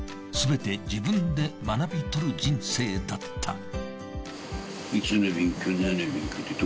すべて自分で学びとる人生だった。